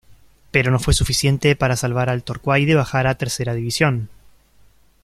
Pero no fue suficiente para salvar al Torquay de bajar a tercera división.